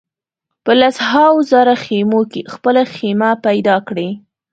په لسهاوو زره خېمو کې خپله خېمه پیدا کړي.